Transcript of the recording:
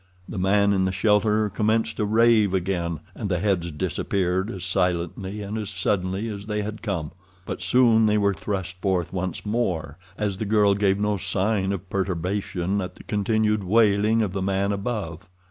The man in the shelter commenced to rave again, and the heads disappeared as silently and as suddenly as they had come. But soon they were thrust forth once more, as the girl gave no sign of perturbation at the continued wailing of the man above.